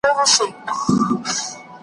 چې د ملت تاریخي شعور ژوندي ساتي